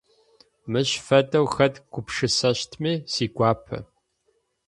Мыщ фэдэу хэт гупшысэщтми сигуапэ.